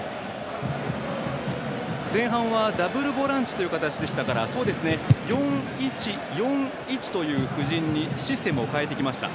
前半はダブルボランチという形でしたから４−１−４−１という布陣にシステムを変えてきました。